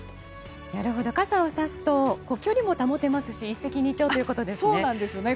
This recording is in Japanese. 傘をさすと距離も保てますし一石二鳥ということですね。